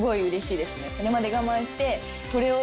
それまで我慢して。